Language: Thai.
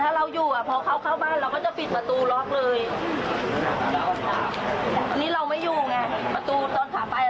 แต่ประตูข้างในประตูเหล็กเราบอกว่าพี่พี่อย่าลืมมาล็อคนะ